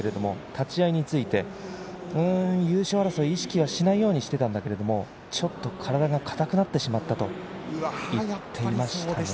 立ち合いについて優勝争い意識しないようにしていたんだけれどちょっと体が硬くなってしまったと言っていました。